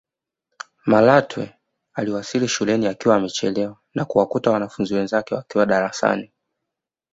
Malatwe aliwasili shuleni akiwa kachelewa na kuwakuta wanafunzi wenzake wakiwa darasani